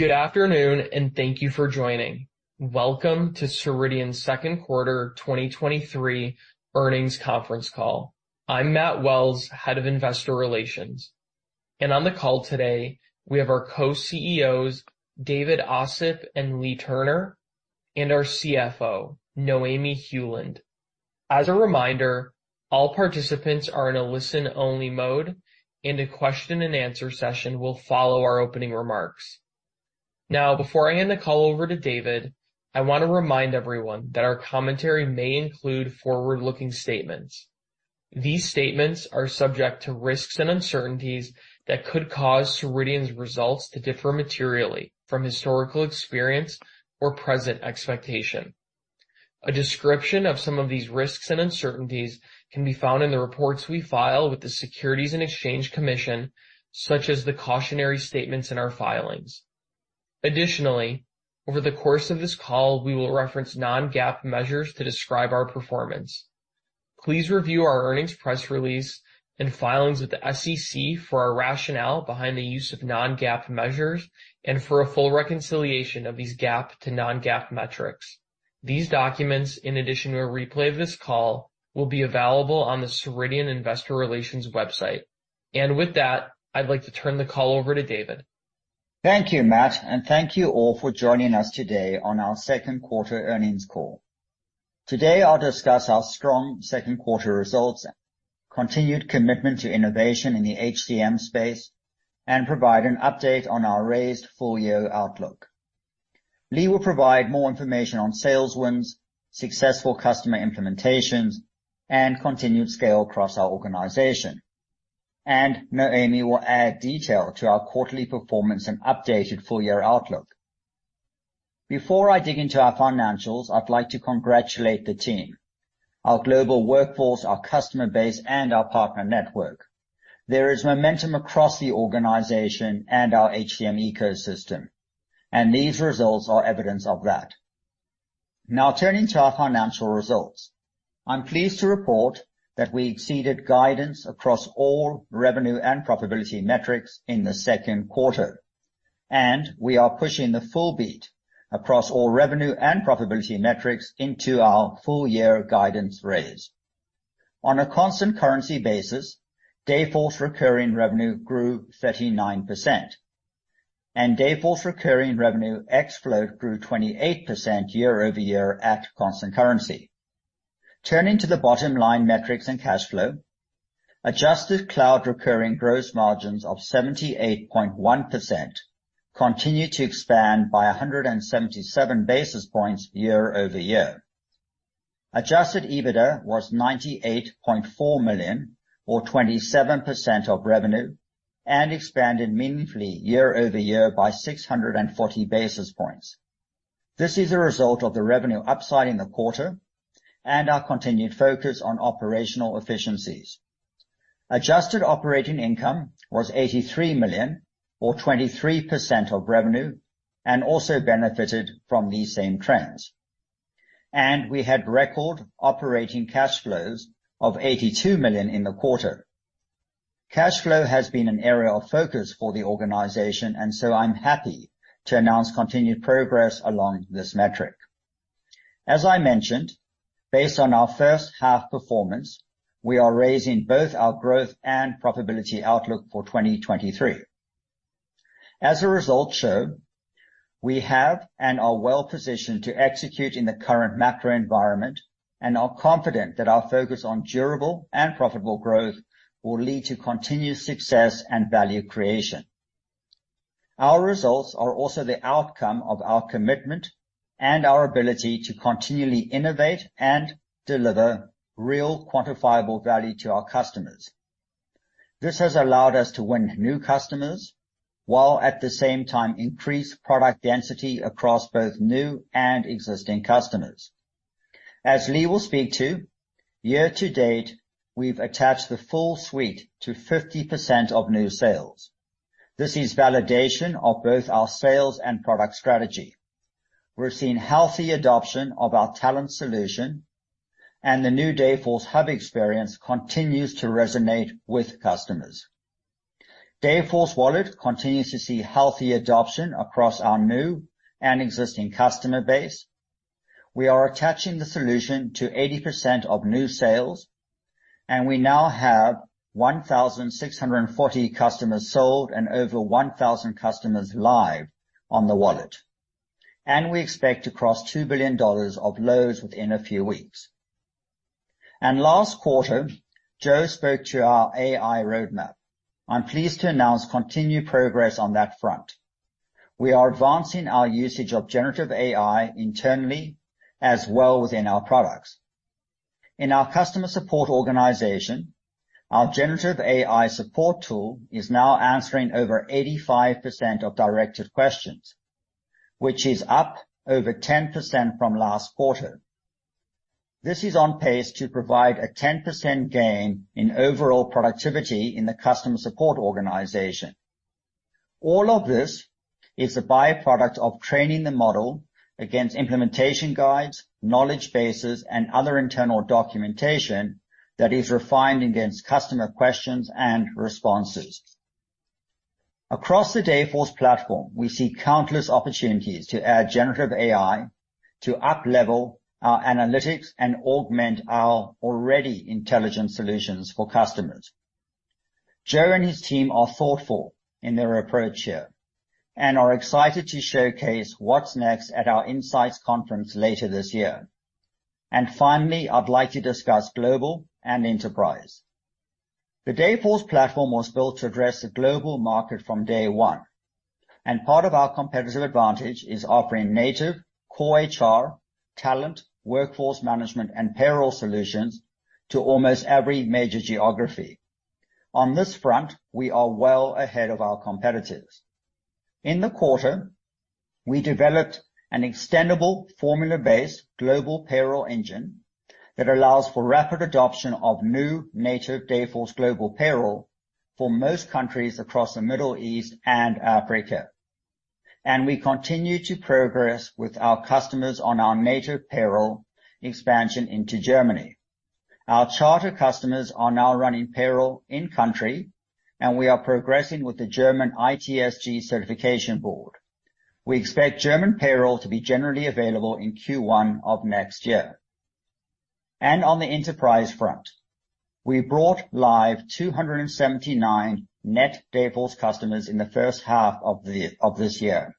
Good afternoon, and thank you for joining. Welcome to Ceridian's second quarter 2023 earnings conference call. I'm Matt Wells, Head of Investor Relations. On the call today, we have our Co-CEOs, David Ossip and Leagh Turner, and our CFO, Noémie Heuland. As a reminder, all participants are in a listen-only mode, and a question-and-answer session will follow our opening remarks. Now, before I hand the call over to David, I want to remind everyone that our commentary may include forward-looking statements. These statements are subject to risks and uncertainties that could cause Ceridian's results to differ materially from historical experience or present expectation. A description of some of these risks and uncertainties can be found in the reports we file with the Securities and Exchange Commission, such as the cautionary statements in our filings. Additionally, over the course of this call, we will reference non-GAAP measures to describe our performance. Please review our earnings press release and filings with the SEC for our rationale behind the use of non-GAAP measures and for a full reconciliation of these GAAP to non-GAAP metrics. These documents, in addition to a replay of this call, will be available on the Ceridian Investor Relations website. With that, I'd like to turn the call over to David. Thank you, Matt, and thank you all for joining us today on our second quarter earnings call. Today, I'll discuss our strong second quarter results, continued commitment to innovation in the HCM space, and provide an update on our raised full-year outlook. Leagh will provide more information on sales wins, successful customer implementations, and continued scale across our organization. Noémie will add detail to our quarterly performance and updated full-year outlook. Before I dig into our financials, I'd like to congratulate the team, our global workforce, our customer base, and our partner network. There is momentum across the organization and our HCM ecosystem, and these results are evidence of that. Turning to our financial results, I'm pleased to report that we exceeded guidance across all revenue and profitability metrics in the second quarter, and we are pushing the full beat across all revenue and profitability metrics into our full year guidance raise. On a constant currency basis, Dayforce recurring revenue grew 39%, and Dayforce recurring revenue ex float grew 28% year-over-year at constant currency. Turning to the bottom line, metrics and cash flow, adjusted cloud recurring gross margins of 78.1% continued to expand by 177 basis points year-over-year. Adjusted EBITDA was $98.4 million or 27% of revenue and expanded meaningfully year-over-year by 640 basis points. This is a result of the revenue upside in the quarter and our continued focus on operational efficiencies. Adjusted operating income was $83 million or 23% of revenue and also benefited from these same trends. We had record operating cash flows of $82 million in the quarter. Cash flow has been an area of focus for the organization, so I'm happy to announce continued progress along this metric. As I mentioned, based on our first half performance, we are raising both our growth and profitability outlook for 2023. As the results show, we have and are well positioned to execute in the current macro environment and are confident that our focus on durable and profitable growth will lead to continued success and value creation. Our results are also the outcome of our commitment and our ability to continually innovate and deliver real, quantifiable value to our customers. This has allowed us to win new customers, while at the same time increase product density across both new and existing customers. As Leagh will speak to, year to date, we've attached the full suite to 50% of new sales. This is validation of both our sales and product strategy. We're seeing healthy adoption of our talent solution, and the new Dayforce Hub experience continues to resonate with customers. Dayforce Wallet continues to see healthy adoption across our new and existing customer base. We are attaching the solution to 80% of new sales, and we now have 1,640 customers sold and over 1,000 customers live on the wallet. We expect to cross $2 billion of loads within a few weeks. Last quarter, Joe spoke to our AI roadmap. I'm pleased to announce continued progress on that front. We are advancing our usage of generative AI internally as well within our products. In our customer support organization, our generative AI support tool is now answering over 85% of directed questions, which is up over 10% from last quarter. This is on pace to provide a 10% gain in overall productivity in the customer support organization. All of this is a byproduct of training the model against implementation guides, knowledge bases, and other internal documentation that is refined against customer questions and responses. Across the Dayforce platform, we see countless opportunities to add generative AI to up-level our analytics and augment our already intelligent solutions for customers. Joe and his team are thoughtful in their approach here, and are excited to showcase what's next at our INSIGHTS conference later this year. Finally, I'd like to discuss global and enterprise. The Dayforce platform was built to address the global market from day one, part of our competitive advantage is offering native core HR, talent, workforce management, and payroll solutions to almost every major geography. On this front, we are well ahead of our competitors. In the quarter, we developed an extendable formula-based global payroll engine that allows for rapid adoption of new native Dayforce global payroll for most countries across the Middle East and Africa. We continue to progress with our customers on our native payroll expansion into Germany. Our charter customers are now running payroll in country, and we are progressing with the German ITSG Certification Board. We expect German payroll to be generally available in Q1 of next year. On the enterprise front, we brought live 279 net Dayforce customers in the first half of this year.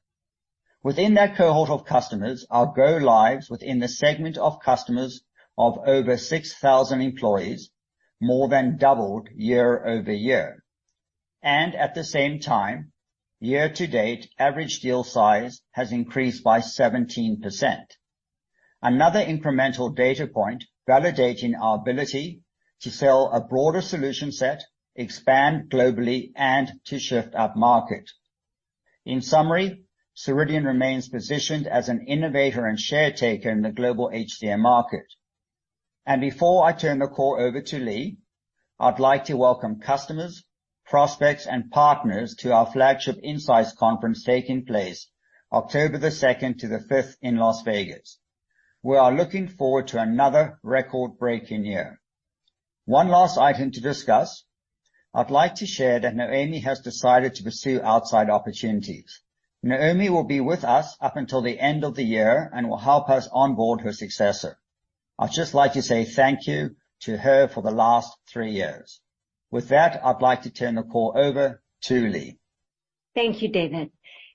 Within that cohort of customers, our go lives within the segment of customers of over 6,000 employees, more than doubled year-over-year, and at the same time, year-to-date, average deal size has increased by 17%. Another incremental data point validating our ability to sell a broader solution set, expand globally, and to shift upmarket. In summary, Ceridian remains positioned as an innovator and share taker in the global HCM market. Before I turn the call over to Leagh, I'd like to welcome customers, prospects, and partners to our flagship INSIGHTS conference taking place October 2nd to the 5th in Las Vegas. We are looking forward to another record-breaking year. One last item to discuss. I'd like to share that Noémie has decided to pursue outside opportunities. Noémie will be with us up until the end of the year and will help us onboard her successor. I'd just like to say thank you to her for the last three years. With that, I'd like to turn the call over to Leagh. Thank you, David.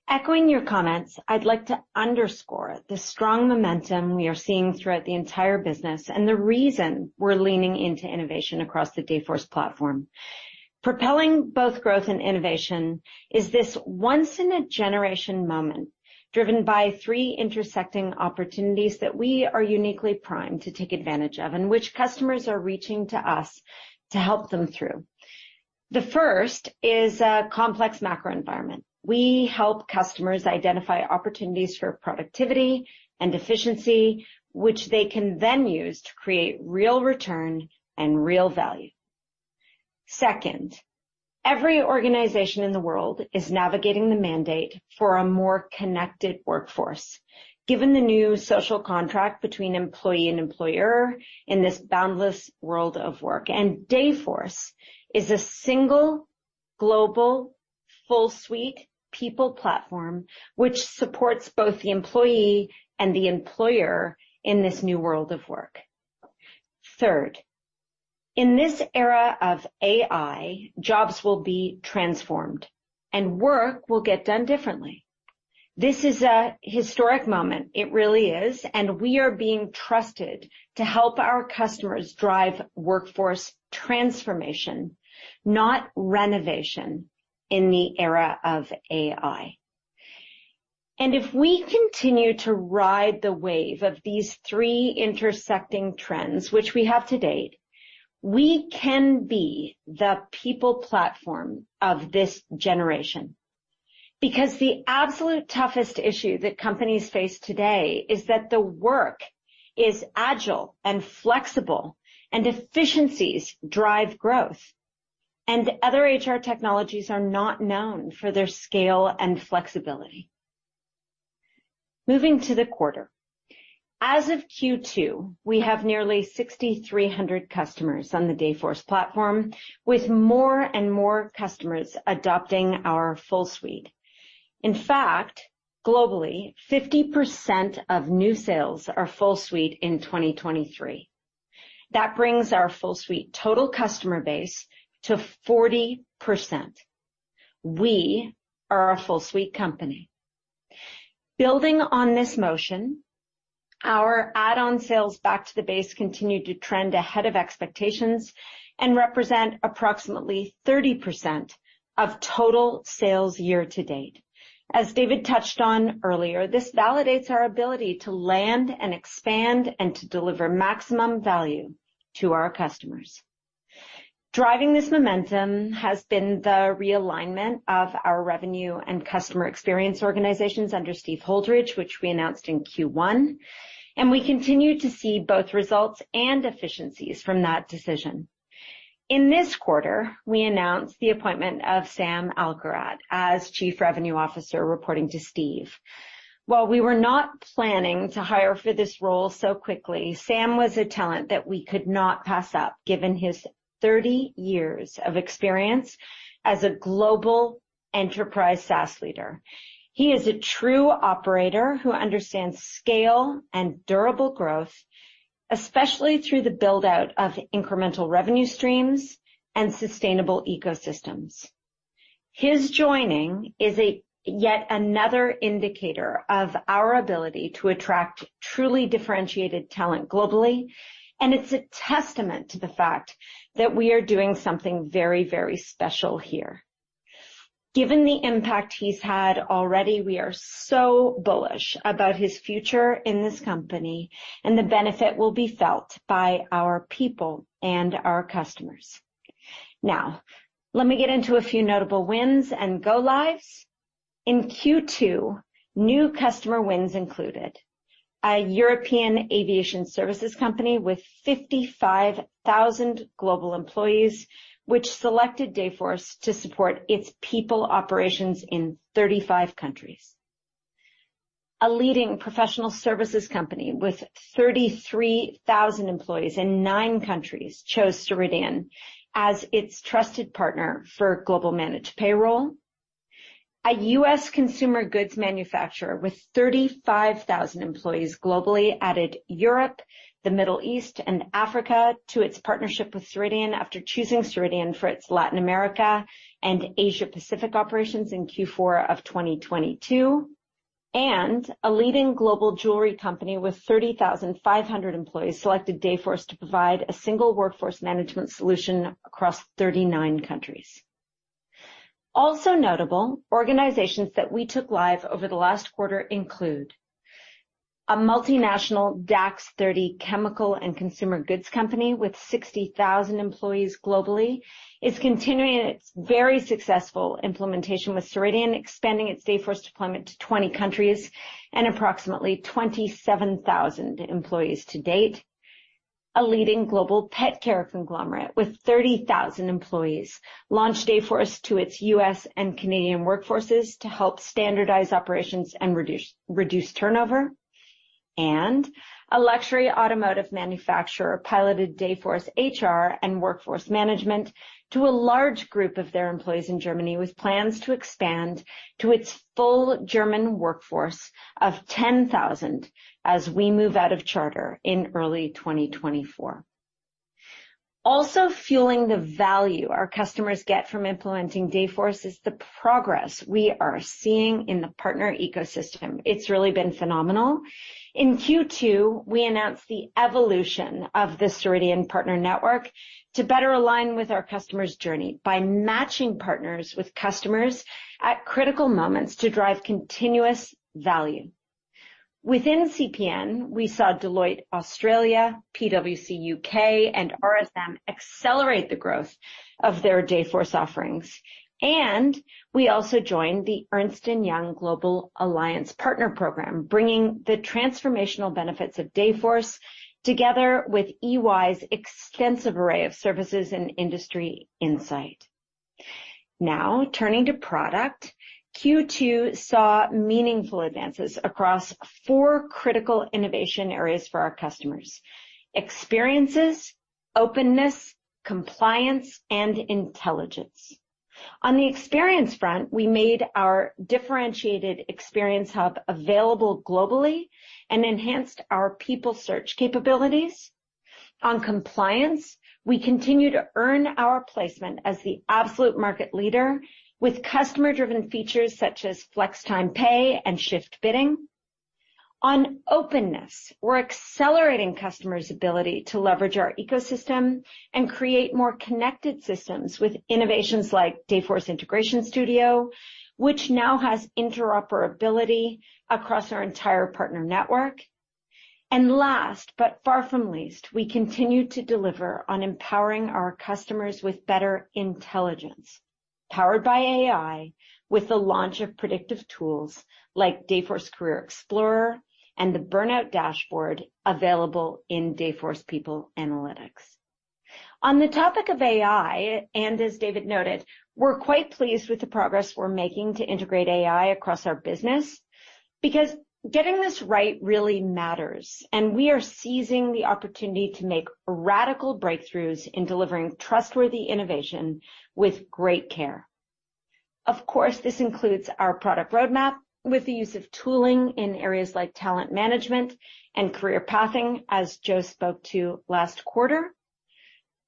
Echoing your comments, I'd like to underscore the strong momentum we are seeing throughout the entire business, and the reason we're leaning into innovation across the Dayforce platform. Propelling both growth and innovation is this once in a generation moment, driven by three intersecting opportunities that we are uniquely primed to take advantage of, and which customers are reaching to us to help them through. The first is a complex macro environment. We help customers identify opportunities for productivity and efficiency, which they can then use to create real return and real value. Second, every organization in the world is navigating the mandate for a more connected workforce. Given the new social contract between employee and employer in this boundless world of work, Dayforce is a single, global, full suite people platform, which supports both the employee and the employer in this new world of work. Third, in this era of AI, jobs will be transformed and work will get done differently. This is a historic moment. It really is, we are being trusted to help our customers drive workforce transformation, not renovation, in the era of AI. If we continue to ride the wave of these three intersecting trends, which we have to date, we can be the people platform of this generation. Because the absolute toughest issue that companies face today is that the work is agile and flexible, and efficiencies drive growth, and other HR technologies are not known for their scale and flexibility. Moving to the quarter. As of Q2, we have nearly 6,300 customers on the Dayforce platform, with more and more customers adopting our full suite. In fact, globally, 50% of new sales are full suite in 2023. That brings our full suite total customer base to 40%. We are a full suite company. Building on this motion, our add-on sales back to the base continued to trend ahead of expectations and represent approximately 30% of total sales year to date. As David touched on earlier, this validates our ability to land and expand and to deliver maximum value to our customers. Driving this momentum has been the realignment of our revenue and customer experience organizations under Steve Holdridge, which we announced in Q1, and we continue to see both results and efficiencies from that decision. In this quarter, we announced the appointment of Sam Alkharrat as Chief Revenue Officer, reporting to Steve. While we were not planning to hire for this role so quickly, Sam was a talent that we could not pass up, given his 30 years of experience as a global enterprise SaaS leader. He is a true operator who understands scale and durable growth, especially through the build-out of incremental revenue streams and sustainable ecosystems. His joining is yet another indicator of our ability to attract truly differentiated talent globally, and it's a testament to the fact that we are doing something very, very special here. Given the impact he's had already, we are so bullish about his future in this company, and the benefit will be felt by our people and our customers. Let me get into a few notable wins and go-lives. In Q2, new customer wins included: a European aviation services company with 55,000 global employees, which selected Dayforce to support its people operations in 35 countries. A leading professional services company with 33,000 employees in nine countries, chose Ceridian as its trusted partner for global managed payroll. A U.S. consumer goods manufacturer with 35,000 employees globally, added Europe, the Middle East, and Africa to its partnership with Ceridian after choosing Ceridian for its Latin America and Asia Pacific operations in Q4 of 2022. A leading global jewelry company with 30,500 employees, selected Dayforce to provide a single workforce management solution across 39 countries. Also notable, organizations that we took live over the last quarter include: a multinational DAX 30 chemical and consumer goods company with 60,000 employees globally, is continuing its very successful implementation with Ceridian, expanding its Dayforce deployment to 20 countries and approximately 27,000 employees to date. A leading global pet care conglomerate with 30,000 employees, launched Dayforce to its U.S. and Canadian workforces to help standardize operations and reduce turnover. A luxury automotive manufacturer piloted Dayforce HR and workforce management to a large group of their employees in Germany, with plans to expand to its full German workforce of 10,000 as we move out of charter in early 2024. Also, fueling the value our customers get from implementing Dayforce is the progress we are seeing in the partner ecosystem. It's really been phenomenal. In Q2, we announced the evolution of the Ceridian Partner Network to better align with our customer's journey by matching partners with customers at critical moments to drive continuous value. Within CPN, we saw Deloitte Australia, PwC UK, and RSM accelerate the growth of their Dayforce offerings, and we also joined the Ernst & Young Global Alliance Partner program, bringing the transformational benefits of Dayforce together with EY's extensive array of services and industry insight. Now, turning to product. Q2 saw meaningful advances across four critical innovation areas for our customers: experiences, openness, compliance, and intelligence. On the experience front, we made our differentiated experience hub available globally and enhanced our people search capabilities. On compliance, we continue to earn our placement as the absolute market leader with customer-driven features such as Flex Time pay and shift bidding. On openness, we're accelerating customers' ability to leverage our ecosystem and create more connected systems with innovations like Dayforce Integration Studio, which now has interoperability across our entire partner network. Last, but far from least, we continue to deliver on empowering our customers with better intelligence, powered by AI, with the launch of predictive tools like Dayforce Career Explorer and the Burnout Dashboard, available in Dayforce People Analytics. On the topic of AI, and as David noted, we're quite pleased with the progress we're making to integrate AI across our business, because getting this right really matters, and we are seizing the opportunity to make radical breakthroughs in delivering trustworthy innovation with great care. Of course, this includes our product roadmap with the use of tooling in areas like talent management and career pathing, as Joe spoke to last quarter,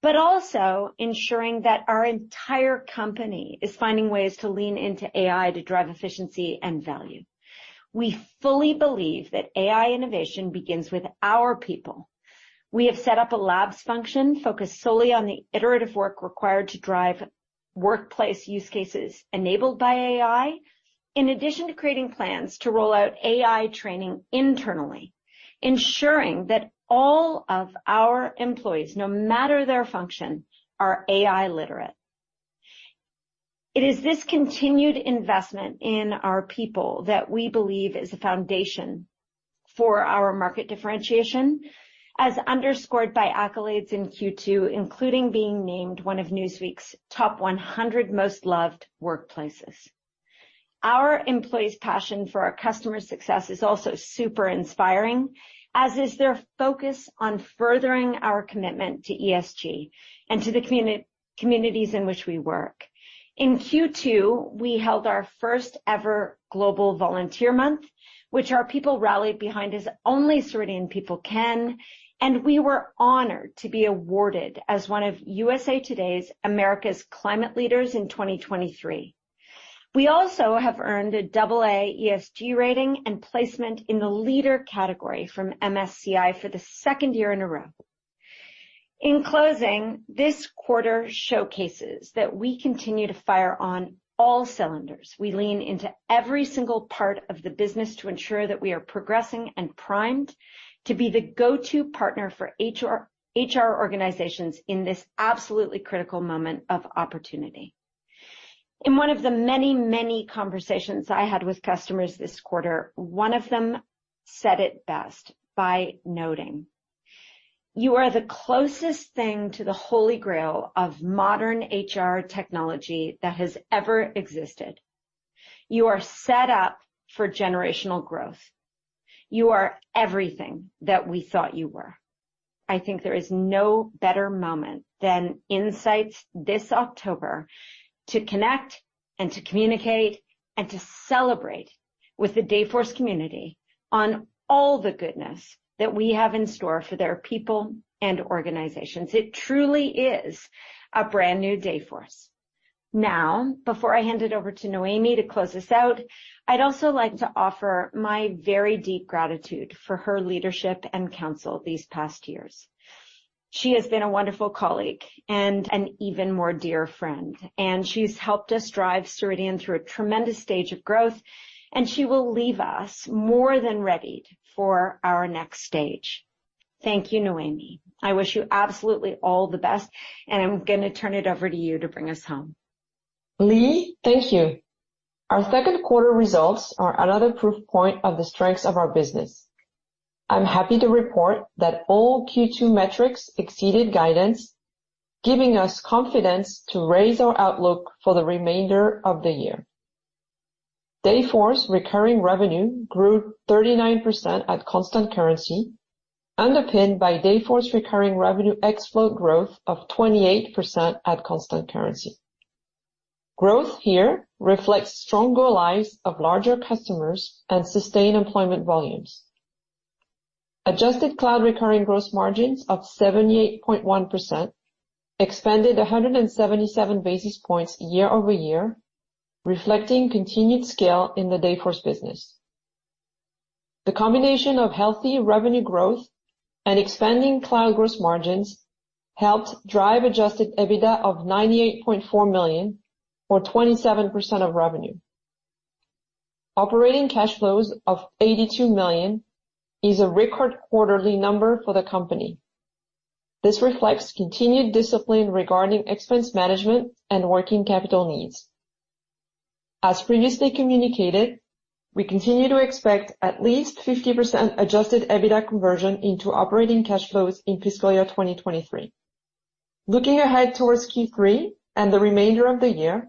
but also ensuring that our entire company is finding ways to lean into AI to drive efficiency and value. We fully believe that AI innovation begins with our people. We have set up a labs function focused solely on the iterative work required to drive workplace use cases enabled by AI, in addition to creating plans to roll out AI training internally, ensuring that all of our employees, no matter their function, are AI literate. It is this continued investment in our people that we believe is the foundation for our market differentiation, as underscored by accolades in Q2, including being named one of Newsweek's top 100 most loved workplaces. Our employees' passion for our customer success is also super inspiring, as is their focus on furthering our commitment to ESG and to the communities in which we work. In Q2, we held our first-ever global volunteer month, which our people rallied behind as only Ceridian people can. We were honored to be awarded as one of USA TODAY's America's Climate Leaders in 2023. We also have earned a double A ESG rating and placement in the leader category from MSCI for the second year in a row. In closing, this quarter showcases that we continue to fire on all cylinders. We lean into every single part of the business to ensure that we are progressing and primed to be the go-to partner for HR organizations in this absolutely critical moment of opportunity. In one of the many, many conversations I had with customers this quarter, one of them said it best by noting: "You are the closest thing to the Holy Grail of modern HR technology that has ever existed. You are set up for generational growth. You are everything that we thought you were." I think there is no better moment than INSIGHTS this October to connect and to communicate and to celebrate with the Dayforce community on all the goodness that we have in store for their people and organizations. It truly is a brand new Dayforce. Now, before I hand it over to Noémie to close this out, I'd also like to offer my very deep gratitude for her leadership and counsel these past years. She has been a wonderful colleague and an even more dear friend, and she's helped us drive Ceridian through a tremendous stage of growth, and she will leave us more than ready for our next stage. Thank you, Noémie. I wish you absolutely all the best, and I'm gonna turn it over to you to bring us home. Leagh, thank you. Our second quarter results are another proof point of the strengths of our business. I'm happy to report that all Q2 metrics exceeded guidance, giving us confidence to raise our outlook for the remainder of the year. Dayforce recurring revenue grew 39% at constant currency, underpinned by Dayforce recurring revenue ex float growth of 28% at constant currency. Growth here reflects strong go lives of larger customers and sustained employment volumes. Adjusted cloud recurring gross margins of 78.1%, expanded 177 basis points year-over-year, reflecting continued scale in the Dayforce business. The combination of healthy revenue growth and expanding cloud gross margins helped drive adjusted EBITDA of $98.4 million, or 27% of revenue. Operating cash flows of $82 million is a record quarterly number for the company. This reflects continued discipline regarding expense management and working capital needs. As previously communicated, we continue to expect at least 50% adjusted EBITDA conversion into operating cash flows in fiscal year 2023. Looking ahead towards Q3 and the remainder of the year,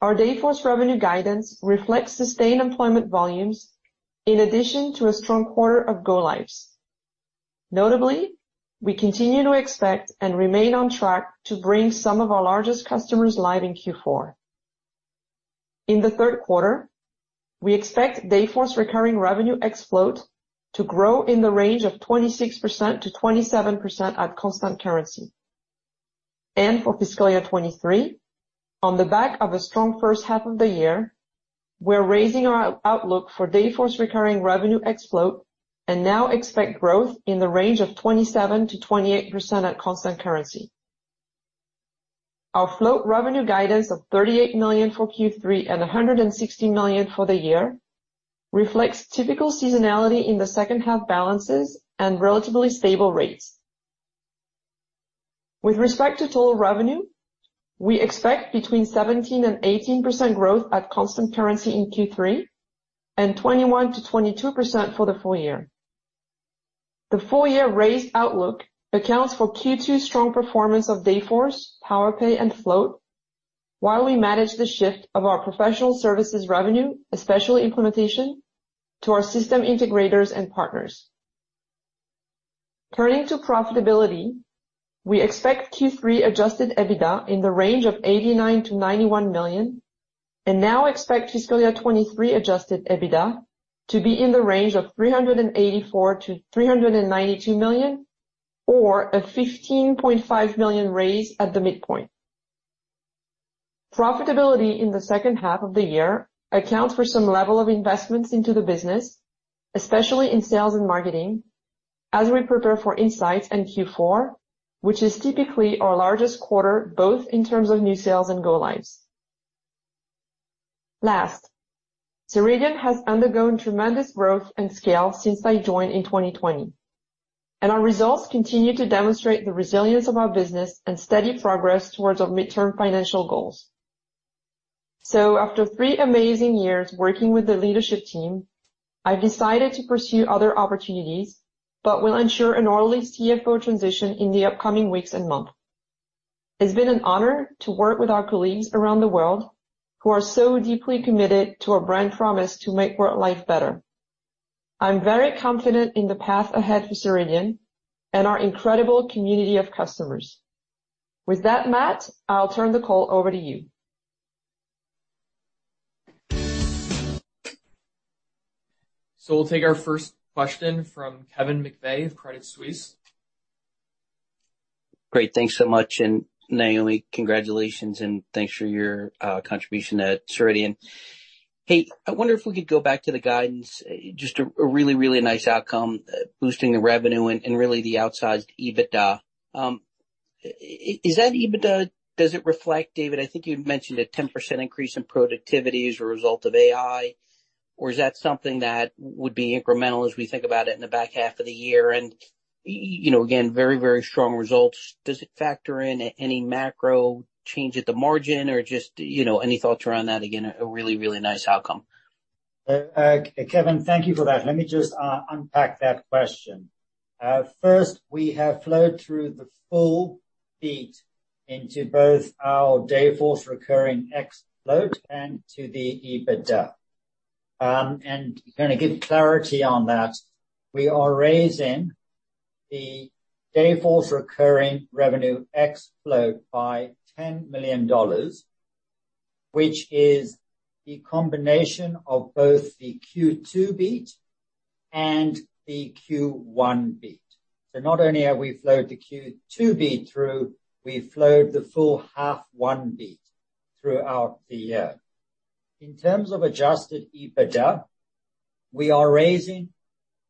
our Dayforce revenue guidance reflects sustained employment volumes in addition to a strong quarter of go lives. Notably, we continue to expect and remain on track to bring some of our largest customers live in Q4. In the third quarter, we expect Dayforce recurring revenue ex float to grow in the range of 26%-27% at constant currency. For fiscal year 23, on the back of a strong first half of the year, we're raising our outlook for Dayforce recurring revenue ex float, and now expect growth in the range of 27%-28% at constant currency. Our float revenue guidance of $38 million for Q3 and $160 million for the year reflects typical seasonality in the second half balances and relatively stable rates. With respect to total revenue, we expect between 17%-18% growth at constant currency in Q3 and 21%-22% for the full year. The full-year raised outlook accounts for Q2 strong performance of Dayforce, Powerpay, and float, while we manage the shift of our professional services revenue, especially implementation, to our system integrators and partners. Turning to profitability, we expect Q3 adjusted EBITDA in the range of $89 million-$91 million, and now expect fiscal year 2023 adjusted EBITDA to be in the range of $384 million-$392 million, or a $15.5 million raise at the midpoint. Profitability in the second half of the year accounts for some level of investments into the business, especially in sales and marketing, as we prepare for INSIGHTS in Q4, which is typically our largest quarter, both in terms of new sales and go lives. Last, Ceridian has undergone tremendous growth and scale since I joined in 2020. Our results continue to demonstrate the resilience of our business and steady progress towards our midterm financial goals. After three amazing years working with the leadership team, I've decided to pursue other opportunities, but will ensure an orderly CFO transition in the upcoming weeks and months. It's been an honor to work with our colleagues around the world who are so deeply committed to our brand promise to make work life better. I'm very confident in the path ahead for Ceridian and our incredible community of customers. With that, Matt, I'll turn the call over to you. We'll take our first question from Kevin McVeigh of Credit Suisse. Great. Thanks so much, and Noémie, congratulations, and thanks for your contribution at Ceridian. Hey, I wonder if we could go back to the guidance. Just a really, really nice outcome, boosting the revenue and really the outsized EBITDA. Is that EBITDA, does it reflect, David, I think you'd mentioned a 10% increase in productivity as a result of AI, or is that something that would be incremental as we think about it in the back half of the year? You know, again, very, very strong results. Does it factor in any macro change at the margin or just, you know, any thoughts around that? Again, a really, really nice outcome. Kevin, thank you for that. Let me just unpack that question. First, we have flowed through the full beat into both our Dayforce recurring ex float and to the EBITDA. To kind of give clarity on that, we are raising the Dayforce recurring revenue ex float by $10 million, which is the combination of both the Q2 beat and the Q1 beat. Not only have we flowed the Q2 beat through, we've flowed the full half one beat throughout the year. In terms of adjusted EBITDA, we are raising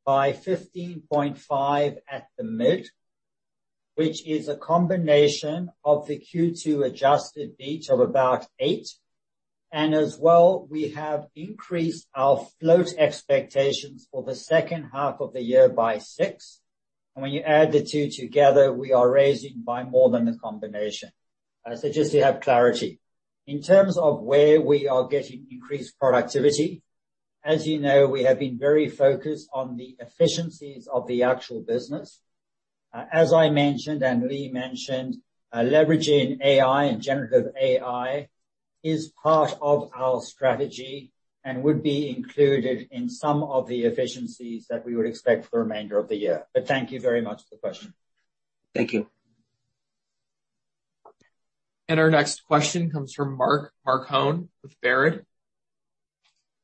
by 15.5 at the mid, which is a combination of the Q2 adjusted beat of about 8. As well, we have increased our float expectations for the second half of the year by six. When you add the two together, we are raising by more than the combination. Just so you have clarity. In terms of where we are getting increased productivity, as you know, we have been very focused on the efficiencies of the actual business. As I mentioned and Leagh mentioned, leveraging AI and generative AI is part of our strategy and would be included in some of the efficiencies that we would expect for the remainder of the year. Thank you very much for the question. Thank you. Our next question comes from Mark, Mark Marcon with Baird.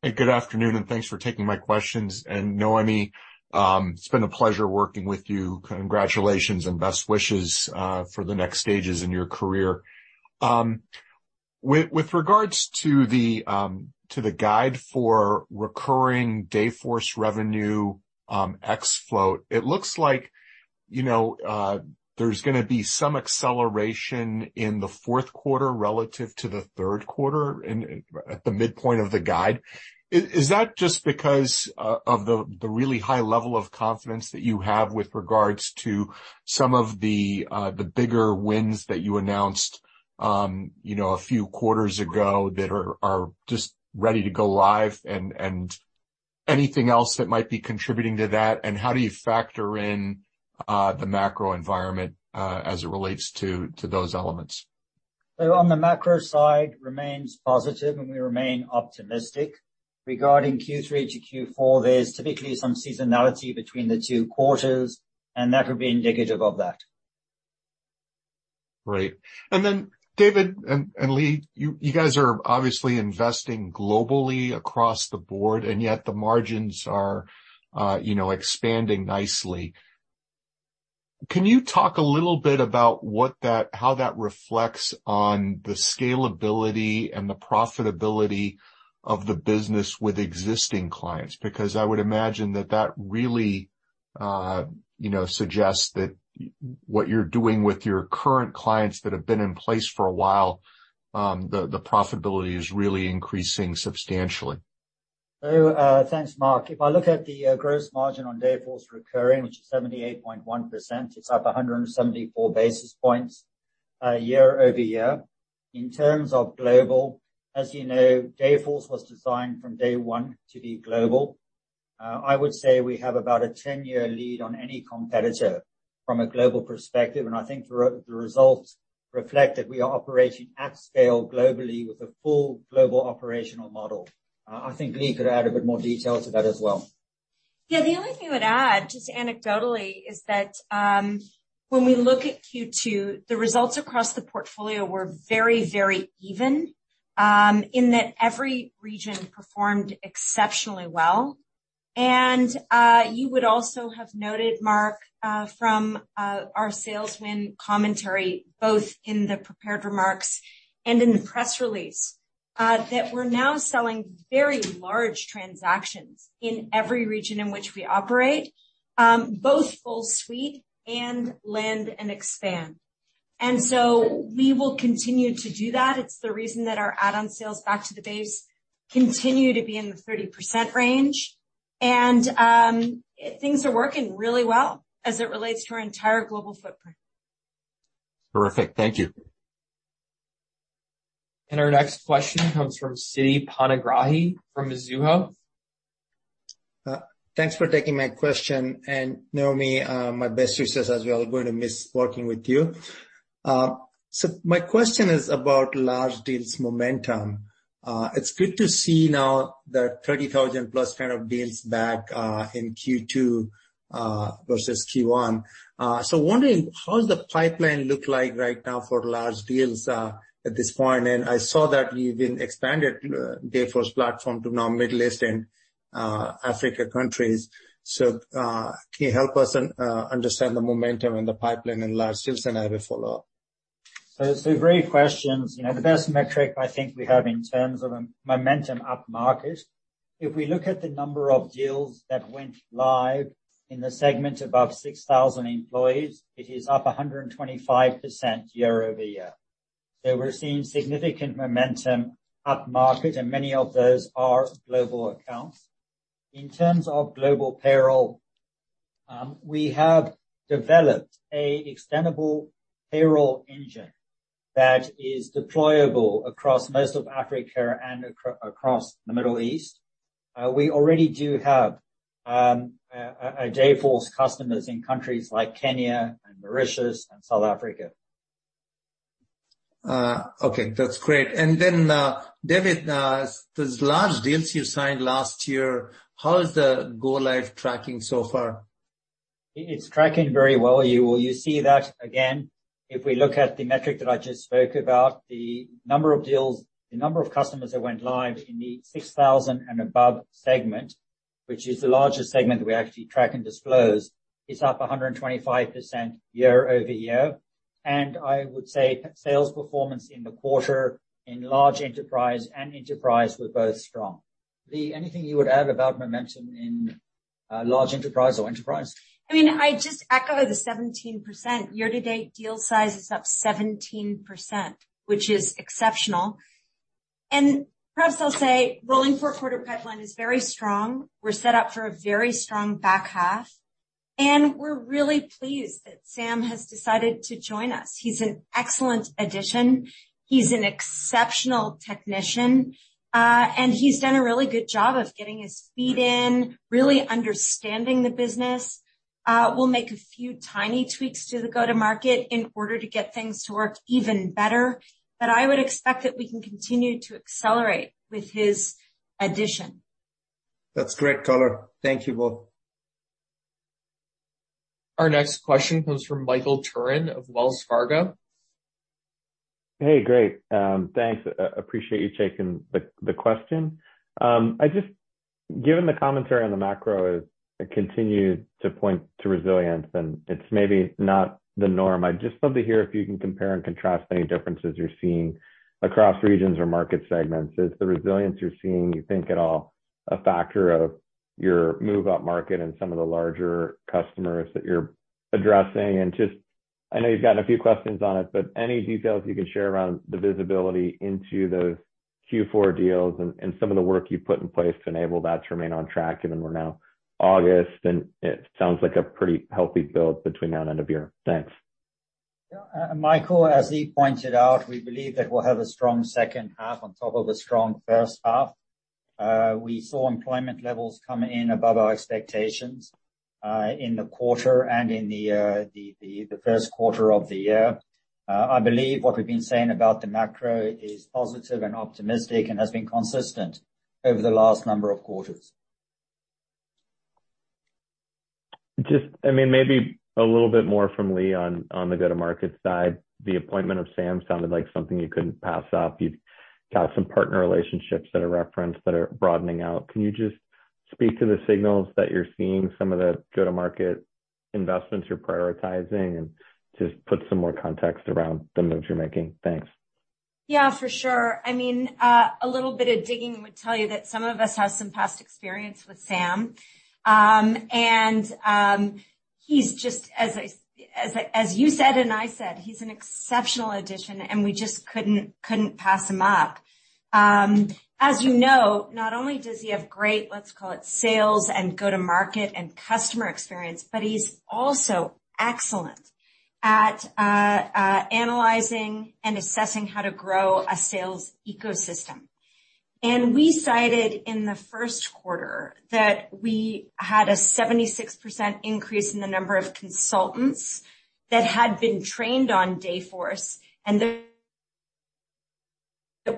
Hey, good afternoon, and thanks for taking my questions. Noémie, it's been a pleasure working with you. Congratulations and best wishes for the next stages in your career. With, with regards to the to the guide for recurring Dayforce revenue ex float, it looks like, you know, there's gonna be some acceleration in the fourth quarter relative to the third quarter in, at the midpoint of the guide. Is that just because of the, the really high level of confidence that you have with regards to some of the bigger wins that you announced, you know, a few quarters ago that are, are just ready to go live, and, and anything else that might be contributing to that? How do you factor in the macro environment as it relates to, to those elements? On the macro side, remains positive, and we remain optimistic. Regarding Q3 to Q4, there's typically some seasonality between the two quarters, and that would be indicative of that. Great. Then, David and Leagh, you guys are obviously investing globally across the board, and yet the margins are, you know, expanding nicely. Can you talk a little bit about what that, how that reflects on the scalability and the profitability of the business with existing clients? Because I would imagine that that really, you know, suggests that what you're doing with your current clients that have been in place for a while, the profitability is really increasing substantially. Thanks, Mark. If I look at the gross margin on Dayforce recurring, which is 78.1%, it's up 174 basis points year-over-year. In terms of global, as you know, Dayforce was designed from day one to be global. I would say we have about a 10-year lead on any competitor from a global perspective, and I think the results reflect that we are operating at scale globally with a full global operational model. I think Leagh could add a bit more detail to that as well. Yeah, the only thing I would add, just anecdotally, is that, when we look at Q2, the results across the portfolio were very, very even, in that every region performed exceptionally well. You would also have noted, Mark, from, our salesman commentary, both in the prepared remarks and in the press release, that we're now selling very large transactions in every region in which we operate, both full suite and land and expand. So we will continue to do that. It's the reason that our add-on sales back to the base continue to be in the 30% range, and, things are working really well as it relates to our entire global footprint. Terrific. Thank you. Our next question comes from Siti Panigrahi from Mizuho Securities. Thanks for taking my question. Noémie, my best wishes as well. We're going to miss working with you. My question is about large deals momentum. It's good to see now that 30,000 plus kind of deals back in Q2 versus Q1. Wondering, how does the pipeline look like right now for large deals at this point? I saw that you've been expanded Dayforce platform to now Middle East and Africa countries. Can you help us understand the momentum and the pipeline in large deals? I will follow up. Great questions. You know, the best metric I think we have in terms of a momentum upmarket. If we look at the number of deals that went live in the segment above 6,000 employees, it is up 125% year-over-year. We're seeing significant momentum upmarket, and many of those are global accounts. In terms of global payroll, we have developed an extendable payroll engine that is deployable across most of Africa and across the Middle East. We already do have a Dayforce customers in countries like Kenya and Mauritius and South Africa. Okay, that's great. David, those large deals you signed last year, how is the go-live tracking so far? It's tracking very well. You see that again, if we look at the metric that I just spoke about, the number of deals, the number of customers that went live in the 6,000 and above segment, which is the largest segment that we actually track and disclose, is up 125% year-over-year. I would say sales performance in the quarter in large enterprise and enterprise were both strong. Leagh, anything you would add about momentum in large enterprise or enterprise? I mean, I just echo the 17%. Year to date, deal size is up 17%, which is exceptional. Perhaps I'll say, rolling fourth quarter pipeline is very strong. We're set up for a very strong back half, and we're really pleased that Sam has decided to join us. He's an excellent addition, he's an exceptional technician, and he's done a really good job of getting his feet in, really understanding the business. We'll make a few tiny tweaks to the go-to-market in order to get things to work even better, but I would expect that we can continue to accelerate with his addition. That's great color. Thank you both. Our next question comes from Michael Turrin of Wells Fargo. Hey, great. Thanks. Appreciate you taking the, the question. Given the commentary on the macro, it continues to point to resilience, and it's maybe not the norm. I'd just love to hear if you can compare and contrast any differences you're seeing across regions or market segments? Is the resilience you're seeing, you think at all, a factor of your move-up market and some of the larger customers that you're addressing? Just, I know you've gotten a few questions on it, but any details you can share around the visibility into those Q4 deals and, and some of the work you've put in place to enable that to remain on track, given we're now August, and it sounds like a pretty healthy build between now and end of year. Thanks. Michael, as Leagh pointed out, we believe that we'll have a strong second half on top of a strong first half. We saw employment levels come in above our expectations in the quarter and in the first quarter of the year. I believe what we've been saying about the macro is positive and optimistic and has been consistent over the last number of quarters. Just, I mean, maybe a little bit more from Leagh on, on the go-to-market side. The appointment of Sam sounded like something you couldn't pass up. You've got some partner relationships that are referenced that are broadening out. Can you just speak to the signals that you're seeing, some of the go-to-market investments you're prioritizing, and just put some more context around the moves you're making? Thanks. Yeah, for sure. I mean, a little bit of digging would tell you that some of us have some past experience with Sam. He's just as I, as I, as you said, and I said, he's an exceptional addition, and we just couldn't, couldn't pass him up. As you know, not only does he have great, let's call it, sales and go-to-market and customer experience, but he's also excellent at analyzing and assessing how to grow a sales ecosystem. We cited in the first quarter that we had a 76% increase in the number of consultants that had been trained on Dayforce. That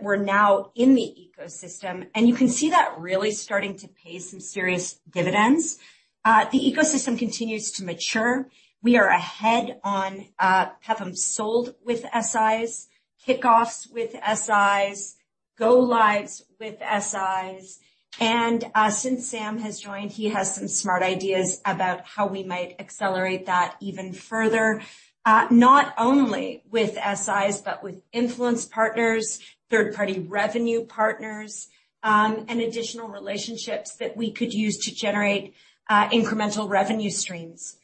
we're now in the ecosystem, and you can see that really starting to pay some serious dividends. The ecosystem continues to mature. We are ahead on, have them sold with SIs, kickoffs with SIs, go lives with SIs, and since Sam has joined, he has some smart ideas about how we might accelerate that even further, not only with SIs, but with influence partners, third-party revenue partners, and additional relationships that we could use to generate, incremental revenue streams.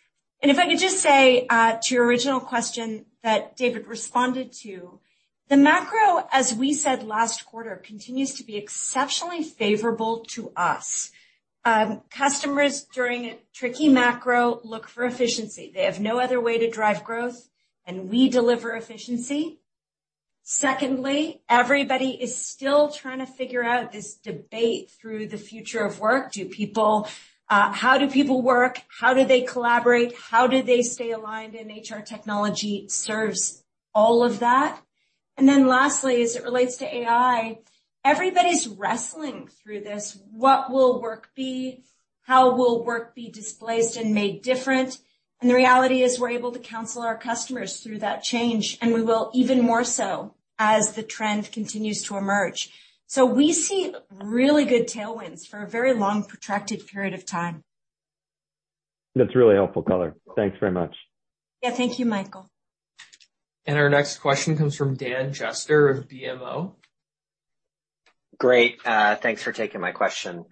If I could just say, to your original question that David responded to, the macro, as we said last quarter, continues to be exceptionally favorable to us. Customers during a tricky macro look for efficiency. They have no other way to drive growth, and we deliver efficiency. Secondly, everybody is still trying to figure out this debate through the future of work. How do people work? How do they collaborate? How do they stay aligned? HR technology serves all of that. Then lastly, as it relates to AI, everybody's wrestling through this. What will work be? How will work be displaced and made different? The reality is, we're able to counsel our customers through that change, and we will even more so as the trend continues to emerge. We see really good tailwinds for a very long, protracted period of time. That's really helpful color. Thanks very much. Yeah. Thank you, Michael. Our next question comes from Dan Jester of BMO. Great. Thanks for taking my question.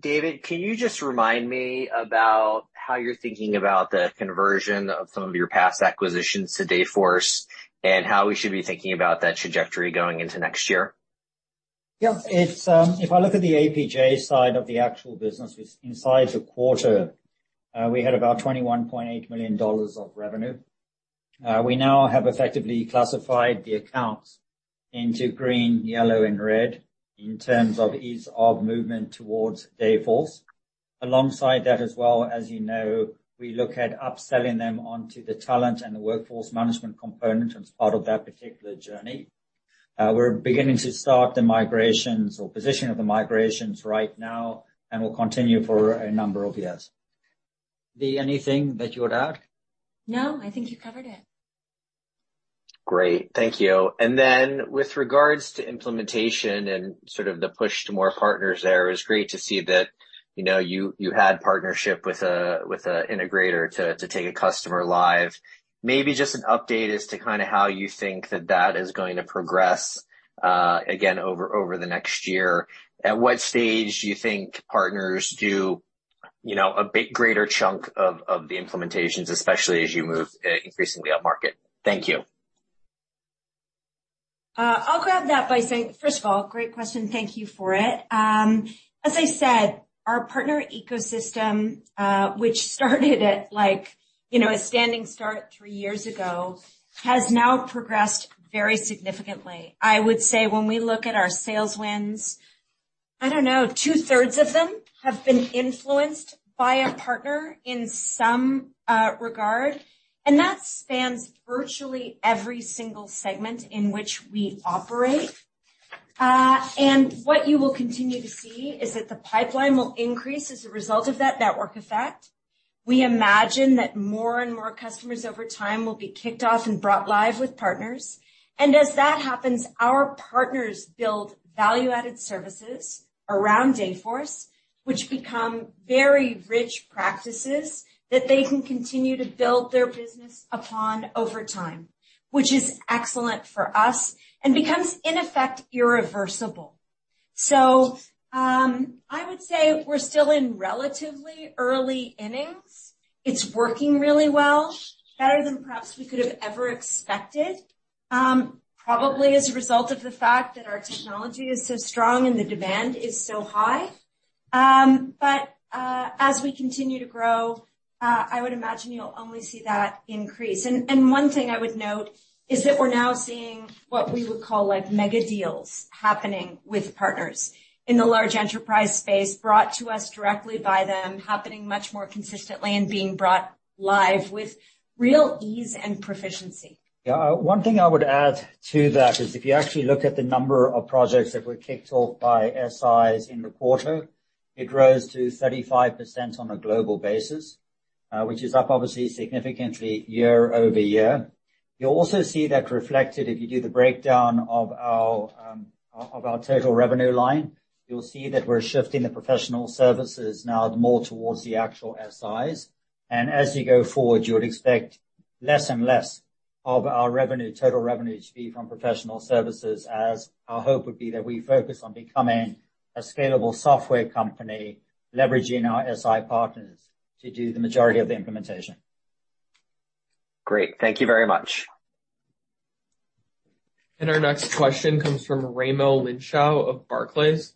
David, can you just remind me about how you're thinking about the conversion of some of your past acquisitions to Dayforce, and how we should be thinking about that trajectory going into next year? Yeah. It's, if I look at the APJ side of the actual business, which inside the quarter, we had about $21.8 million of revenue. We now have effectively classified the accounts into green, yellow, and red in terms of ease of movement towards Dayforce. Alongside that, as well, as you know, we look at upselling them onto the talent and the workforce management component as part of that particular journey. We're beginning to start the migrations or positioning of the migrations right now, and will continue for a number of years. Leagh, anything that you would add? No, I think you covered it. Great. Thank you. With regards to implementation and sort of the push to more partners there, it was great to see that, you know, you, you had partnership with a integrator to, to take a customer live. Maybe just an update as to kind of how you think that that is going to progress again, over the next year. At what stage do you think partners do, you know, a bit greater chunk of the implementations, especially as you move increasingly upmarket? Thank you. I'll grab that by saying, first of all, great question. Thank you for it. As I said, our partner ecosystem, which started at like, you know, a standing start three years ago, has now progressed very significantly. I would say when we look at our sales wins, I don't know, 2/3 of them have been influenced by a partner in some regard, and that spans virtually every single segment in which we operate. What you will continue to see is that the pipeline will increase as a result of that network effect. We imagine that more and more customers over time will be kicked off and brought live with partners. As that happens, our partners build value-added services around Dayforce, which become very rich practices that they can continue to build their business upon over time. Which is excellent for us and becomes, in effect, irreversible. I would say we're still in relatively early innings. It's working really well, better than perhaps we could have ever expected. Probably as a result of the fact that our technology is so strong and the demand is so high. As we continue to grow, I would imagine you'll only see that increase. One thing I would note is that we're now seeing what we would call, like, mega deals happening with partners in the large enterprise space, brought to us directly by them, happening much more consistently, and being brought live with real ease and proficiency. Yeah. One thing I would add to that is, if you actually look at the number of projects that were kicked off by SIs in the quarter, it rose to 35% on a global basis, which is up obviously significantly year-over-year. You'll also see that reflected if you do the breakdown of our, of our total revenue line. You'll see that we're shifting the professional services now more towards the actual SIs. As you go forward, you would expect less and less of our revenue, total revenue, to be from professional services, as our hope would be that we focus on becoming a scalable software company, leveraging our SI partners to do the majority of the implementation. Great. Thank you very much. Our next question comes from Raimo Lenschow of Barclays.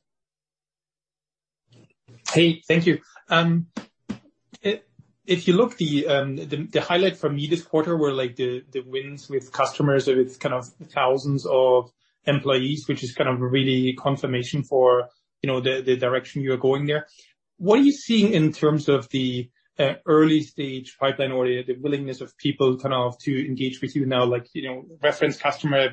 Hey, thank you. If, if you look the, the, the highlight for me this quarter were, like, the, the wins with customers, with kind of thousands of employees, which is kind of really confirmation for, you know, the, the direction you're going there. What are you seeing in terms of the early-stage pipeline or the, the willingness of people kind of to engage with you now? Like, you know, reference customer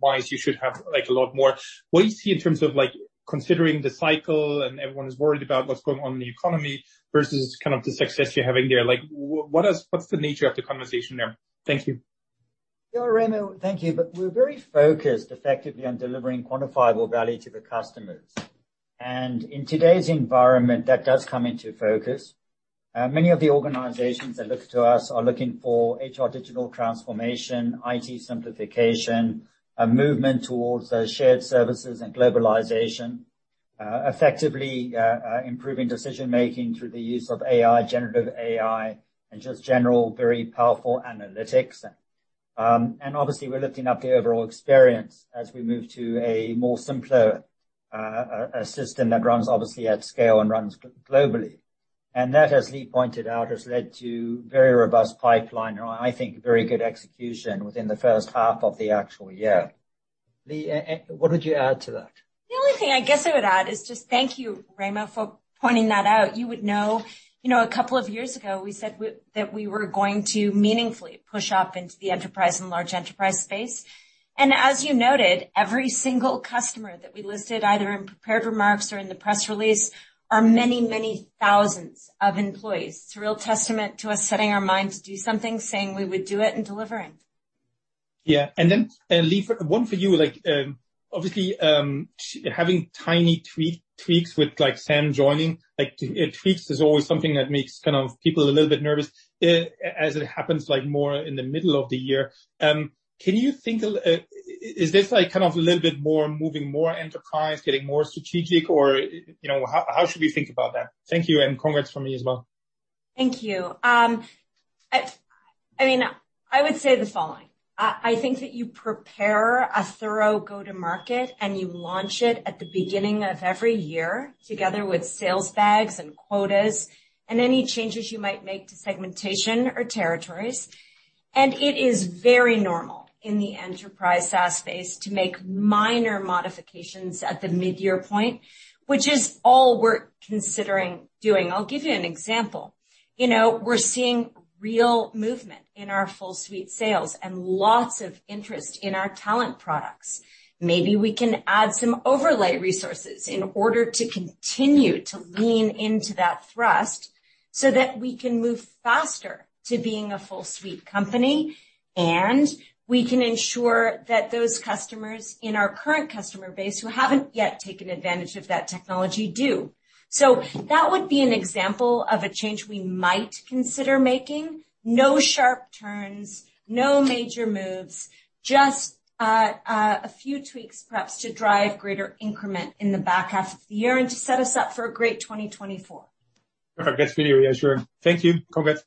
wise, you should have, like, a lot more. What do you see in terms of, like, considering the cycle and everyone is worried about what's going on in the economy versus kind of the success you're having there? Like, what's the nature of the conversation there? Thank you. Yeah, Raimo, thank you. We're very focused effectively on delivering quantifiable value to the customers. In today's environment, that does come into focus. Many of the organizations that look to us are looking for HR digital transformation, IT simplification, a movement towards those shared services and globalization. Effectively, improving decision-making through the use of AI, generative AI, and just general very powerful analytics. Obviously, we're lifting up the overall experience as we move to a more simpler system that runs obviously at scale and runs globally. That, as Leagh pointed out, has led to very robust pipeline, or I think very good execution within the first half of the actual year. Leagh, what would you add to that? The only thing I guess I would add is just thank you, Raimo, for pointing that out. You would know, you know, a couple of years ago, we said that we were going to meaningfully push up into the enterprise and large enterprise space. As you noted, every single customer that we listed, either in prepared remarks or in the press release, are many, many thousands of employees. It's a real testament to us setting our mind to do something, saying we would do it, and delivering. Yeah. Then, Leagh, one for you. Like, obviously, having tiny tweak, tweaks with, like, Sam joining, like, tweaks is always something that makes kind of people a little bit nervous, as it happens, like, more in the middle of the year. Can you think a little... is this, like, kind of a little bit more moving, more enterprise, getting more strategic, or, you know, how, how should we think about that? Thank you, and congrats from me as well. Thank you. I, I mean, I would say the following: I, I think that you prepare a thorough go-to-market, and you launch it at the beginning of every year, together with sales bags and quotas and any changes you might make to segmentation or territories. It is very normal in the enterprise SaaS space to make minor modifications at the mid-year point, which is all we're considering doing. I'll give you an example. You know, we're seeing real movement in our full suite sales and lots of interest in our talent products. Maybe we can add some overlay resources in order to continue to lean into that thrust so that we can move faster to being a full suite company, and we can ensure that those customers in our current customer base who haven't yet taken advantage of that technology do. That would be an example of a change we might consider making. No sharp turns, no major moves, just a few tweaks, perhaps, to drive greater increment in the back half of the year and to set us up for a great 2024. Okay, that's good to hear. Yeah, sure. Thank you. Congrats.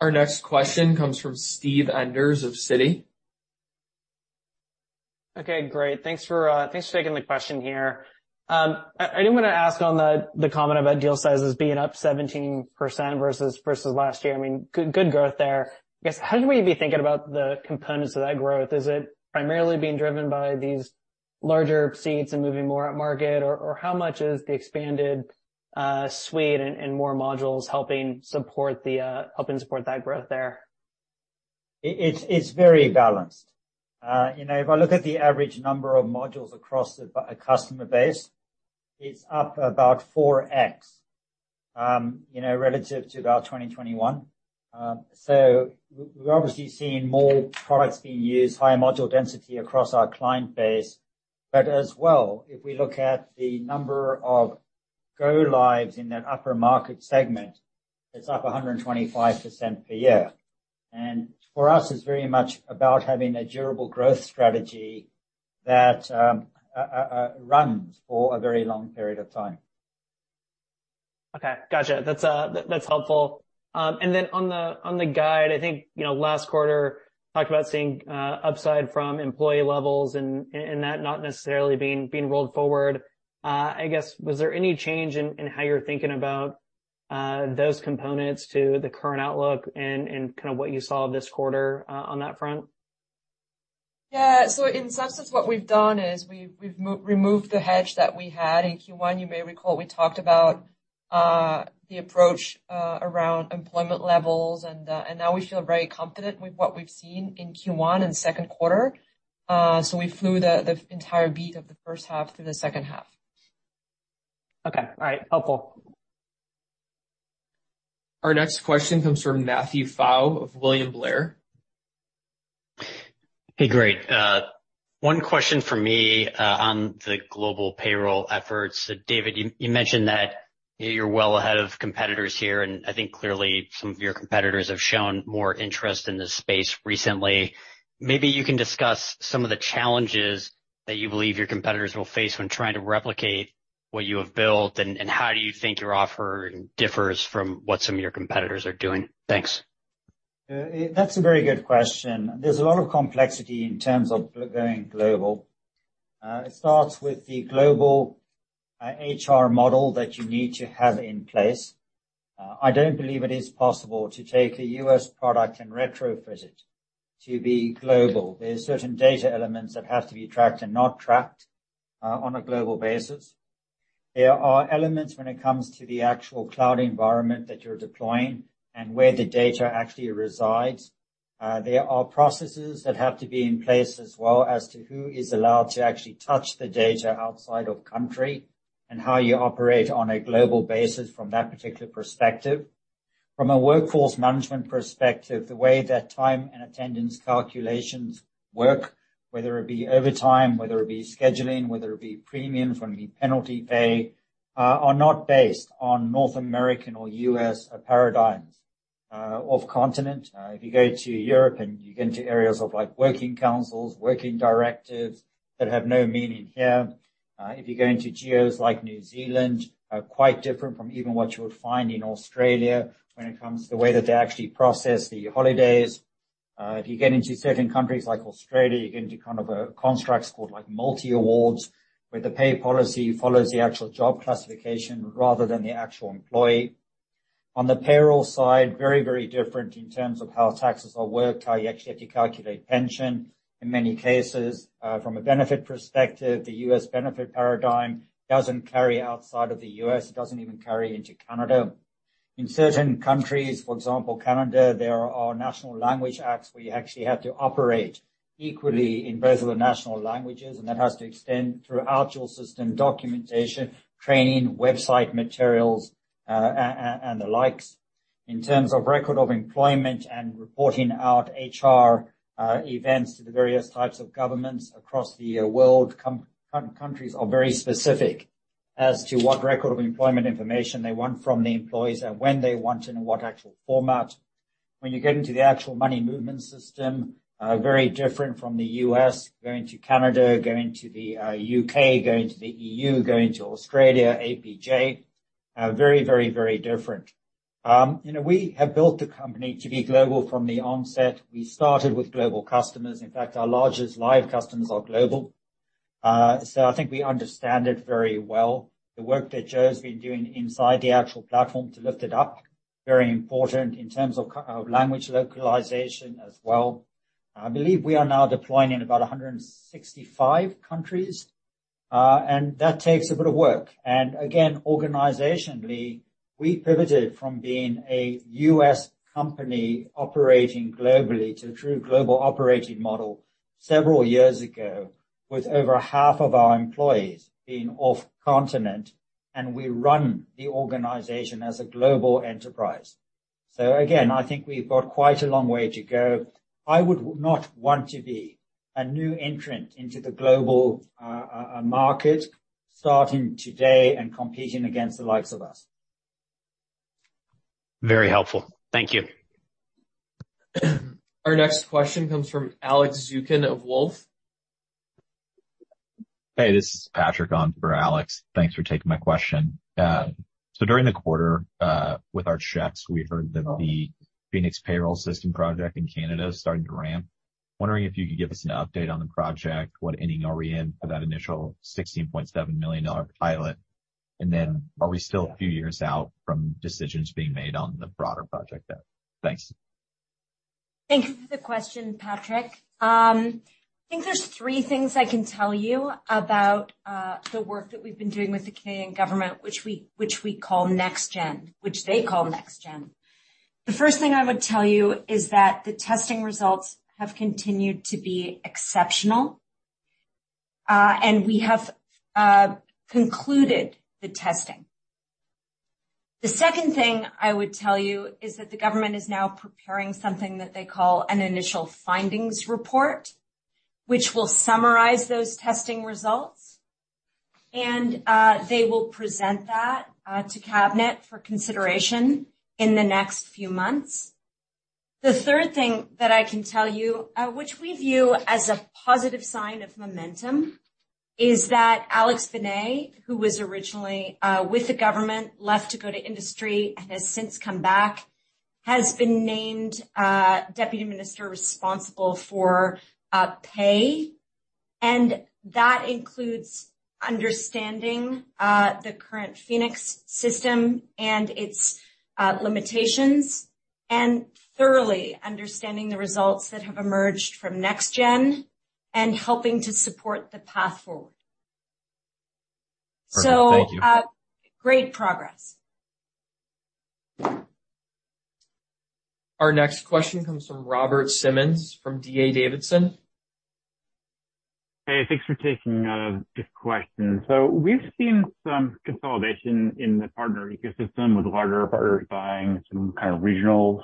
Our next question comes from Steve Enders of Citi. Okay, great. Thanks for, Thanks for taking the question here. I, I did want to ask on the, the comment about deal sizes being up 17% versus, versus last year. I mean, good, good growth there. I guess, how do we be thinking about the components of that growth? Is it primarily being driven by these larger seats and moving more upmarket? Or, or how much is the expanded suite and, and more modules helping support, helping support that growth there? It's very balanced. You know, if I look at the average number of modules across the customer base, it's up about 4x, you know, relative to about 2021. We're obviously seeing more products being used, higher module density across our client base. As well, if we look at the number of go lives in that upper market segment, it's up 125% per year. For us, it's very much about having a durable growth strategy that runs for a very long period of time. Okay, gotcha. That's that's helpful. And then on the, on the guide, I think, you know, last quarter talked about seeing upside from employee levels and, and that not necessarily being, being rolled forward. I guess, was there any change in, in how you're thinking about those components to the current outlook and, and kind of what you saw this quarter on that front? Yeah. In substance, what we've done is we've removed the hedge that we had in Q1. You may recall, we talked about the approach around employment levels, and now we feel very confident with what we've seen in Q1 and second quarter. So we flew the entire beat of the first half through the second half. Okay. All right. Helpful. Our next question comes from Matthew Pfau of William Blair. Hey, great. One question for me on the global payroll efforts. David, you, you mentioned that you're well ahead of competitors here, and I think clearly some of your competitors have shown more interest in this space recently. Maybe you can discuss some of the challenges that you believe your competitors will face when trying to replicate what you have built, and, and how do you think your offering differs from what some of your competitors are doing? Thanks. That's a very good question. There's a lot of complexity in terms of going global. It starts with the global HR model that you need to have in place. I don't believe it is possible to take a U.S. product and retrofit it to be global. There are certain data elements that have to be tracked and not tracked on a global basis. There are elements when it comes to the actual cloud environment that you're deploying and where the data actually resides. There are processes that have to be in place as well as to who is allowed to actually touch the data outside of country and how you operate on a global basis from that particular perspective. From a workforce management perspective, the way that time and attendance calculations work, whether it be overtime, whether it be scheduling, whether it be premium from the penalty pay, are not based on North American or U.S. paradigms, of continent. If you go to Europe, and you get into areas of, like, working councils, working directives that have no meaning here. If you go into geos like New Zealand, quite different from even what you would find in Australia when it comes to the way that they actually process the holidays. If you get into certain countries like Australia, you get into kind of a constructs called like multi-awards, where the pay policy follows the actual job classification rather than the actual employee. On the payroll side, very, very different in terms of how taxes are worked, how you actually have to calculate pension in many cases. From a benefit perspective, the U.S. benefit paradigm doesn't carry outside of the U.S., it doesn't even carry into Canada. In certain countries, for example, Canada, there are national language acts where you actually have to operate equally in both of the national languages, and that has to extend throughout your system, documentation, training, website materials, and the likes. In terms of record of employment and reporting out HR events to the various types of governments across the world, countries are very specific as to what record of employment information they want from the employees and when they want it, in what actual format. When you get into the actual money movement system, very different from the U.S., going to Canada, going to the U.K., going to the E.U., going to Australia, APJ, very, very, very different. You know, we have built the company to be global from the onset. We started with global customers. In fact, our largest live customers are global. I think we understand it very well. The work that Joe's been doing inside the actual platform to lift it up, very important in terms of of language localization as well. I believe we are now deploying in about 165 countries, and that takes a bit of work. Again, organizationally, we pivoted from being a U.S. company operating globally to a true global operating model several years ago, with over half of our employees being off continent, and we run the organization as a global enterprise. Again, I think we've got quite a long way to go. I would not want to be a new entrant into the global market starting today and competing against the likes of us. Very helpful. Thank you. Our next question comes from Alex Zukin of Wolfe. Hey, this is Patrick on for Alex. Thanks for taking my question. During the quarter, with our checks, we heard that the Phoenix payroll system project in Canada is starting to ramp. Wondering if you could give us an update on the project, what ending are we in for that initial $16.7 million pilot? Are we still a few years out from decisions being made on the broader project there? Thanks. Thank you for the question, Patrick. I think there's three things I can tell you about the work that we've been doing with the Canadian government, which we, which we call NextGen, which they call NextGen. The first thing I would tell you is that the testing results have continued to be exceptional, and we have concluded the testing. The second thing I would tell you is that the government is now preparing something that they call an initial findings report, which will summarize those testing results, and they will present that to cabinet for consideration in the next few months. The third thing that I can tell you, which we view as a positive sign of momentum, is that Alex Benay, who was originally with the government, left to go to industry and has since come back, has been named deputy minister responsible for pay. That includes understanding the current Phoenix system and its limitations, and thoroughly understanding the results that have emerged from NextGen and helping to support the path forward. Perfect. Thank you. Great progress. Our next question comes from Robert Simmons, from D.A. Davidson. Hey, thanks for taking this question. We've seen some consolidation in the partner ecosystem, with larger partners buying some kind of regionals.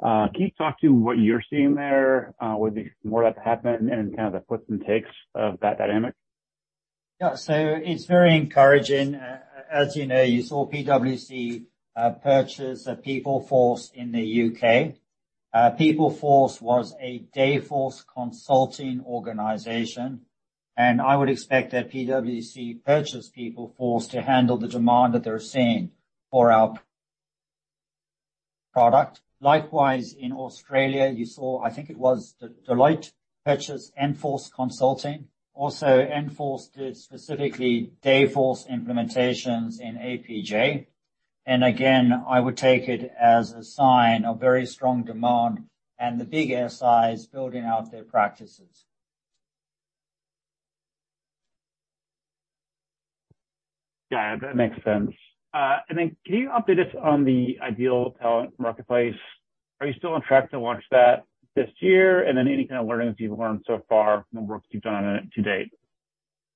Can you talk to what you're seeing there, with more that to happen and kind of the puts and takes of that dynamic? Yeah. It's very encouraging. As you know, you saw PwC purchase a People Force in the UK. People Force was a Dayforce consulting organization, and I would expect that PwC purchased People Force to handle the demand that they're seeing for our product. Likewise, in Australia, you saw, I think it was the Deloitte purchase Enforce Consulting. Also, Enforce did specifically Dayforce implementations in APJ. Again, I would take it as a sign of very strong demand and the big SIs building out their practices. Yeah, that makes sense. Then can you update us on the Ideal Talent Marketplace? Are you still on track to launch that this year? Then any kind of learnings you've learned so far from the work you've done on it to date?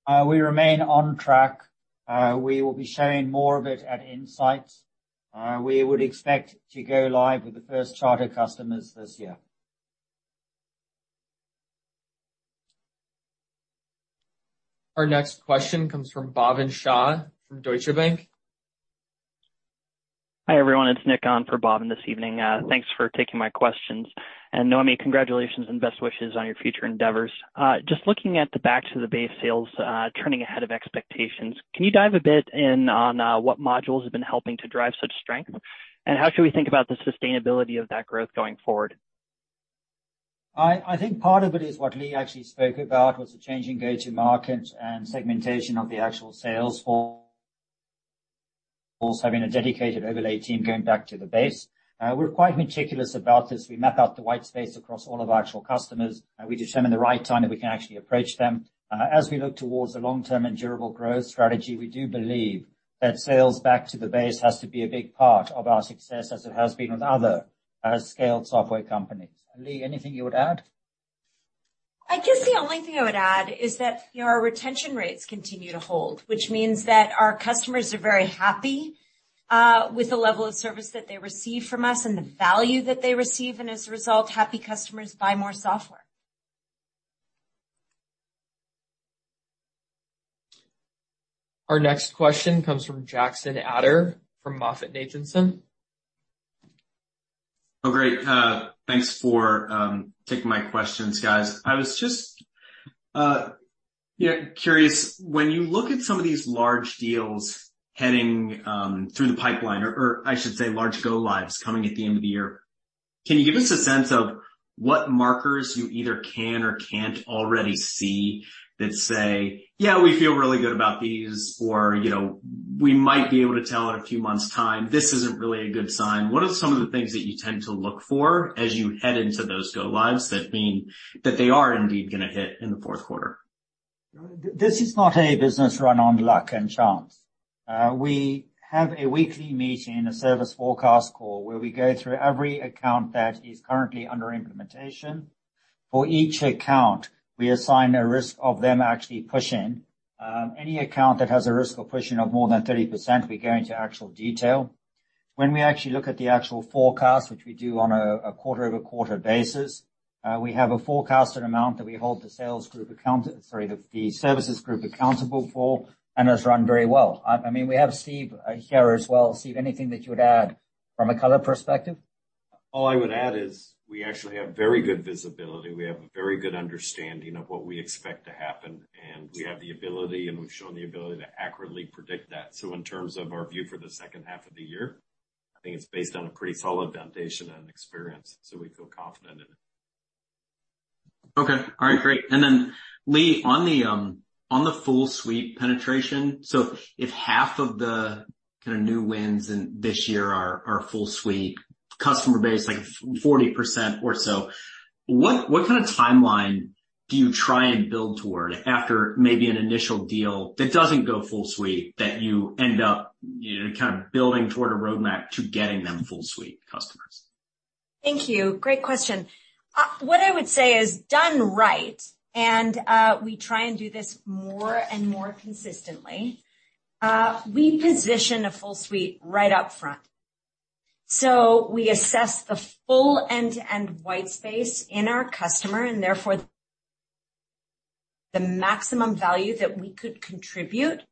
We remain on track. We will be sharing more of it at Insights. We would expect to go live with the first charter customers this year. Our next question comes from Bhavin Shah, from Deutsche Bank. Hi, everyone, it's Nick on for Bhavin this evening. Thanks for taking my questions. Noémie, congratulations and best wishes on your future endeavors. Just looking at the back to the base sales, turning ahead of expectations, can you dive a bit in on what modules have been helping to drive such strength? How should we think about the sustainability of that growth going forward? I, I think part of it is what Leagh actually spoke about, was the change in go-to-market and segmentation of the actual sales force, having a dedicated overlay team going back to the base. We're quite meticulous about this. We map out the white space across all of our actual customers, and we determine the right time that we can actually approach them. As we look towards the long-term and durable growth strategy, we do believe that sales back to the base has to be a big part of our success, as it has been with other scaled software companies. Leagh, anything you would add? I guess the only thing I would add is that, you know, our retention rates continue to hold, which means that our customers are very happy, with the level of service that they receive from us and the value that they receive. As a result, happy customers buy more software. Our next question comes from Jackson Ader from MoffettNathanson. Oh, great. Thanks for taking my questions, guys. I was just, yeah, curious, when you look at some of these large deals heading through the pipeline, or, or I should say large go-lives coming at the end of the year, can you give us a sense of what markers you either can or can't already see that say, "Yeah, we feel really good about these," or, "You know, we might be able to tell in a few months' time, this isn't really a good sign." What are some of the things that you tend to look for as you head into those go-lives that mean that they are indeed gonna hit in the fourth quarter? This is not a business run on luck and chance. We have a weekly meeting, a service forecast call, where we go through every account that is currently under implementation. For each account, we assign a risk of them actually pushing. Any account that has a risk of pushing of more than 30%, we go into actual detail. When we actually look at the actual forecast, which we do on a quarter-over-quarter basis, we have a forecasted amount that we hold the sales group account, sorry, the services group accountable for, and it's run very well. I, I mean, we have Steve here as well. Steve, anything that you would add from a color perspective? All I would add is we actually have very good visibility. We have a very good understanding of what we expect to happen, and we have the ability, and we've shown the ability to accurately predict that. In terms of our view for the second half of the year, I think it's based on a pretty solid foundation and experience, so we feel confident in it. Okay. All right, great. Then, Leagh, on the, on the full suite penetration, so if half of the kind of new wins in this year are, are full suite, customer base, like 40% or so, what, what kind of timeline do you try and build toward after maybe an initial deal that doesn't go full suite, that you end up, you know, kind of building toward a roadmap to getting them full suite customers? Thank you. Great question. What I would say is done right, and we try and do this more and more consistently, we position a full suite right up front. We assess the full end-to-end white space in our customer and therefore the maximum value that we could contribute.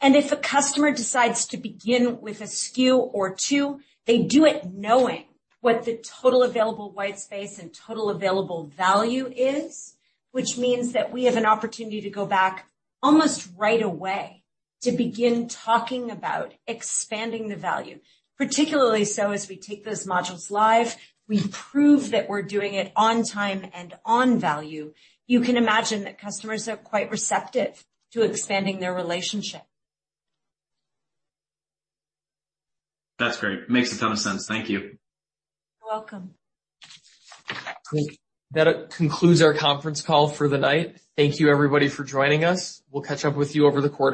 If a customer decides to begin with a SKU or two, they do it knowing what the total available white space and total available value is, which means that we have an opportunity to go back almost right away to begin talking about expanding the value. Particularly so, as we take those modules live, we prove that we're doing it on time and on value. You can imagine that customers are quite receptive to expanding their relationship. That's great. Makes a ton of sense. Thank you. You're welcome. Great. That concludes our conference call for the night. Thank you, everybody, for joining us. We'll catch up with you over the quarter.